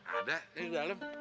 ada ini di dalam